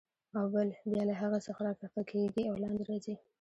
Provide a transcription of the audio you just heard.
او بل بیا له هغې څخه راکښته کېږي او لاندې راځي.